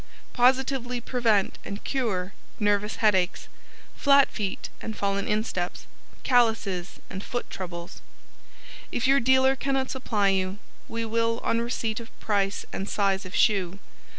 Positively Prevent and Cure NERVOUS HEADACHES FLAT FEET and FALLEN INSTEPS CALLOUSES and FOOT TROUBLES If your dealer cannot supply you, we will on receipt of price and size of shoe.